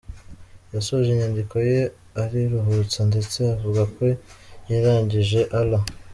Yasoje inyandiko ye ariruhutsa ndetse avuga ko yiragije Allah.